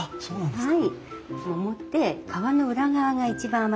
はい。